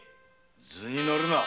図に乗るな。